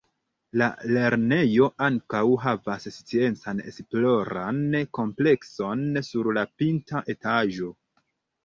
La lernejo ankaŭ havas Sciencan Esploran Komplekson sur la pinta etaĝo.